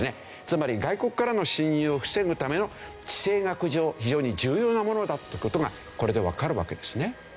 つまり外国からの侵入を防ぐための地政学上非常に重要なものだって事がこれでわかるわけですね。